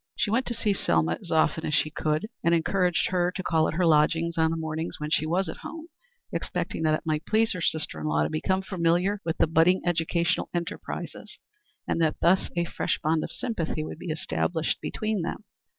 She went to see Selma as often as she could, and encouraged her to call at her lodgings on the mornings when she was at home, expecting that it might please her sister in law to become familiar with the budding educational enterprises, and that thus a fresh bond of sympathy would be established between them.